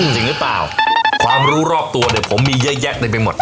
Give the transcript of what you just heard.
จริงหรือเปล่าความรู้รอบตัวเดี๋ยวผมมีแยกเลยไปหมด